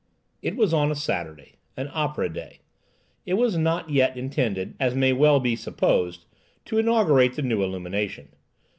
It was on a Saturday, an opera day. It was not yet intended, as may well be supposed, to inaugurate the new illumination.